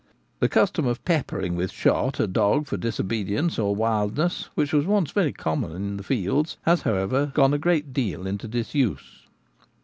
The custom of 'peppering* with shot a dog for disobedience or wildness, which was once very common in the field, has however gone a great deal into disuse.